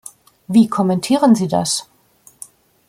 Wie kommentieren Sie das?